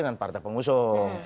dengan partai pengusung